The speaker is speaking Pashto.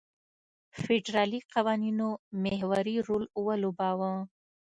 فدرالي قوانینو محوري رول ولوباوه.